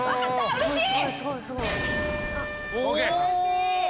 うれしい！